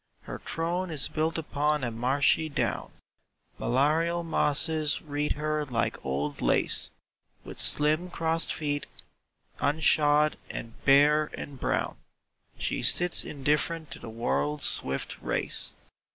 Her throne is built upon a marshy down; Malarial mosses wreathe her like old lace; With slim crossed feet, unshod and bare and brown. She sits indifferent to the world's swift race.